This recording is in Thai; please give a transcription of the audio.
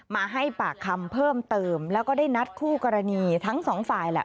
มาให้ปากคำเพิ่มเติมแล้วก็ได้นัดคู่กรณีทั้งสองฝ่ายแหละ